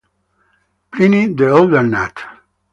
Pliny the Elder Nat.